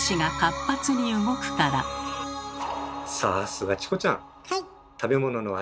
さっすがチコちゃん！